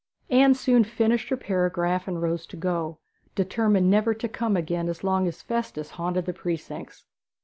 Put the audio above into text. Anne soon finished her paragraph and rose to go, determined never to come again as long as Festus haunted the precincts.